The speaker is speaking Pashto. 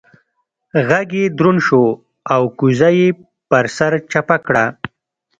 غږ يې دروند شو او کوزه يې پر سر چپه کړه.